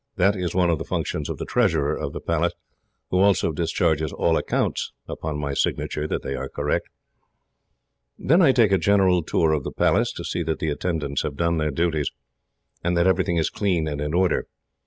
That is one of the functions of the treasurer of the Palace, who also discharges all accounts, upon my signature that they are correct. "Then I take a general tour of the Palace, to see that the attendants have done their duties, and that everything is clean and in order.